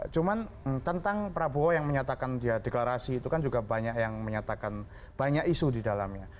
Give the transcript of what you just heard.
cuman tentang prabowo yang menyatakan dia deklarasi itu kan juga banyak yang menyatakan banyak isu di dalamnya